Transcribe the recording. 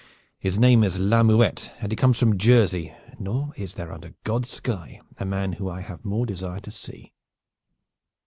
His name is La Muette, and he comes from Jersey nor is there under God's sky a man whom I have more desire to see."